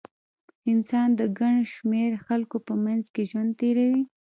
انسان د ګڼ شمېر خلکو په منځ کې ژوند تېروي.